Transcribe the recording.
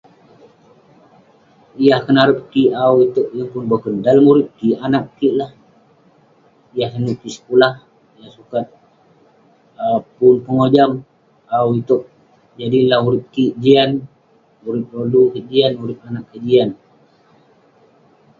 Yah kenarep kik awu itouk, yeng pun boken..dalem urip kik, anag kik lah, yah senuk kik sekulah, yah sukat um Pun pengojam awu itouk..Jadi lah urip kik jian, urip rodu kik jian..urip anag kik jian..